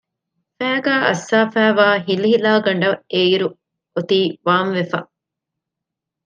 ފައިގާ އައްސާފައިވާ ހިލިހިލާގަނޑަށް އެއިރު އޮތީ ވާންވެފަ